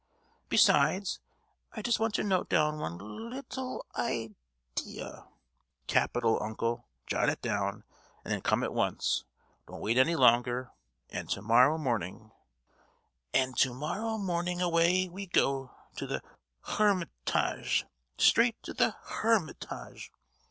Besides, I just want to note down one little i—dea——" "Capital, uncle! jot it down, and then come at once; don't wait any longer; and to morrow morning——" "And to morrow morning away we go to the Her—mitage, straight to the Her—mitage!